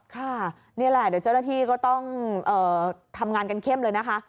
ค่ะนี่แหละเดี๋ยวเจ้าหน้าที่ก็ต้องทำงานกันเข้มเลยนะคะ